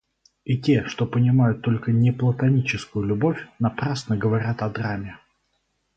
И те, что понимают только неплатоническую любовь, напрасно говорят о драме.